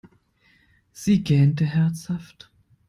Sie gähnte herzhaft.